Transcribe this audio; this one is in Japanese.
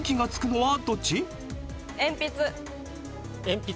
鉛筆。